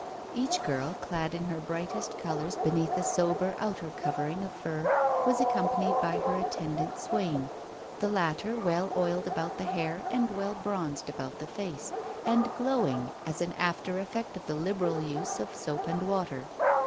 Each girl, clad in her brightest colours beneath a sober outer covering of fur, was accompanied by her attendant swain, the latter well oiled about the hair and well bronzed about the face, and glowing as an after effect of the liberal use of soap and water.